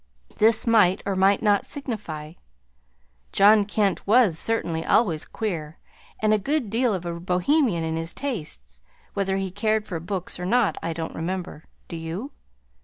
This might, or might not signify. John Kent was certainly always queer, and a good deal of a Bohemian in his tastes. Whether he cared for books or not I don't remember. Do you?